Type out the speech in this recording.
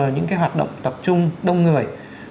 những hoạt động tập trung đông người